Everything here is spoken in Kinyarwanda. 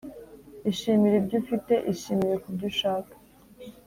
ishimire ibyo ufite. ishimire kubyo ushaka.